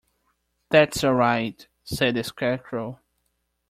"That's all right," said the Scarecrow.